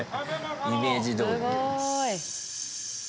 イメージどおり。